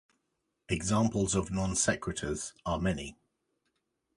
Examples of non sequiturs are many.